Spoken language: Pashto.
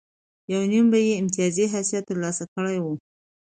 یو نیم به یې امتیازي حیثیت ترلاسه کړی و.